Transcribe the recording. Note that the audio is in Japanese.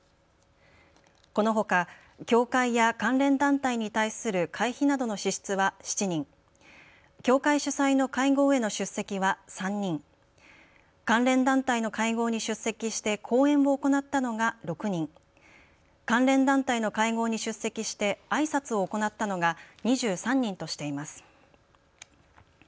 このほか教会や関連団体に対する会費などの支出は７人、教会主催の会合への出席は３人、関連団体の会合に出席して講演を行ったのが６人、関連団体の会合に出席してあいさつを行ったのが２３人としています。